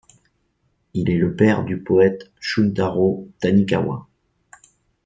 Il est le père du poète Shuntarō Tanikawa.